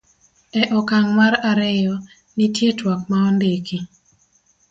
e okang' mar ariyo, nitie twak ma ondiki